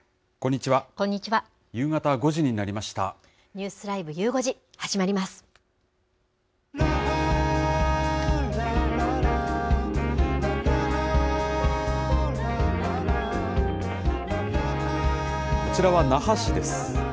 こちらは那覇市です。